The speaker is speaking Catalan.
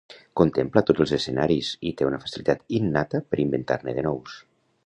Contempla tots els escenaris i té una facilitat innata per inventar-ne de nous.